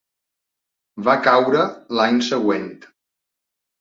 Va caure l'any següent.